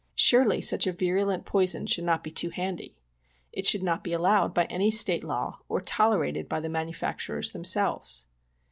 Surely such a virulent poison should not be too handy. It. should not be allowed by any State law or tolerated by the manufacturers themselves.